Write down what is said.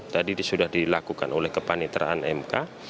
tadi sudah dilakukan oleh kepanitraan mk